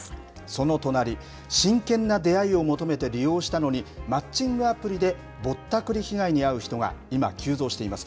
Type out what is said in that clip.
その隣、真剣な出会いを求めて利用したのに、マッチングアプリでぼったくり被害に遭う人が今、急増しています。